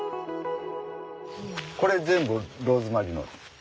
これ全部ローズマリー。